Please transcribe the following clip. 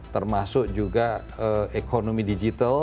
termasuk juga ekonomi digital